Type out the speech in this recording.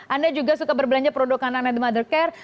anda juga suka berbelanja produk produk kanan di mother care